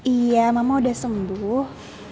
iya mama udah sembuh